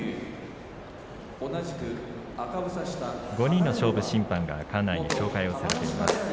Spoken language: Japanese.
５人の勝負審判が館内に紹介をされています。